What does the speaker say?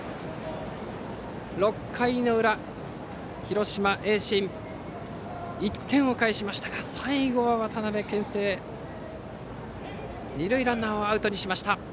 ６回の裏、広島・盈進１点を返しましたが最後は渡辺、けん制で二塁ランナーをアウトにしました。